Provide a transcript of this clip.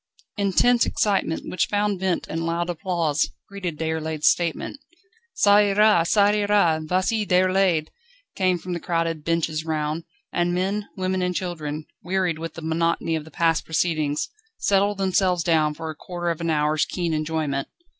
Intense excitement, which found vent in loud applause, greeted Déroulède's statement. "Ça ira! ça ira! vas y Déroulède!" came from the crowded benches round; and men, women, and children, wearied with the monotony of the past proceedings, settled themselves down for a quarter of an hour's keen enjoyment.